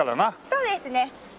そうですね。